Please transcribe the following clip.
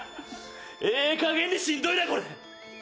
ええかげんにしんどいなこれ。